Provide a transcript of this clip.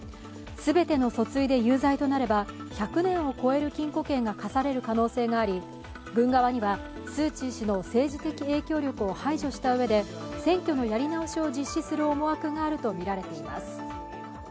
全ての訴追で有罪となれば、１００年を超える禁錮刑が科される可能性もあり、軍側にはスー・チー氏の政治的影響力を排除したうえで選挙のやり直しを実施する思惑があるとみられています。